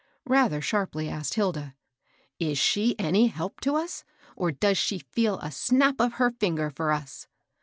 rather sharply asked Hilda. ••Is she any help to us ? or does she feel a snap of her fin ger for us